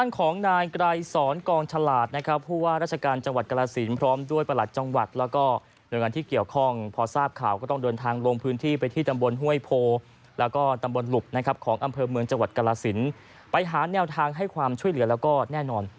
ของอำเภอเมืองจังหวัดกรสินไปหาแนวทางให้ความช่วยเหลือแล้วก็แน่นอน